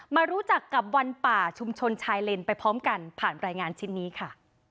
มารู้จักกับวันป่าชุมชนชายเลนไปพร้อมกันผ่านรายงานชิ้นนี้ค่ะ